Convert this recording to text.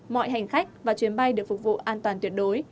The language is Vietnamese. mọi hành khách và chuyến bay được phục vụ an toàn tuyệt đối